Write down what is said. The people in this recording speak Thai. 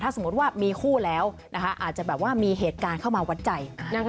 ถ้าสมมติว่ามีคู่แล้วอาจจะมีเหตุการณ์เข้ามาวัดใจ